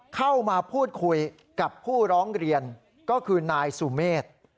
เข้ามาพูดคุยกับผู้ร้องเรียนก็คือนายสุเมฆ